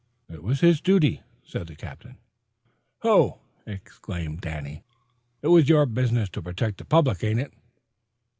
"It was his duty," said the captain. "Ho!" exclaimed Danny. "It's your business to protect the public, ain't it?"